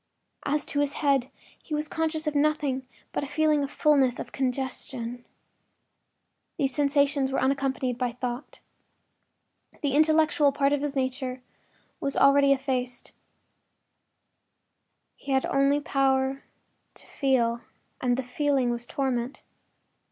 As to his head, he was conscious of nothing but a feeling of fullness—of congestion. These sensations were unaccompanied by thought. The intellectual part of his nature was already effaced; he had power only to feel, and feeling was torment.